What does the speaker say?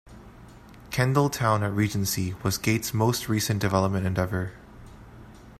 "Kendall Town at Regency" was Gate's most recent development endeavor.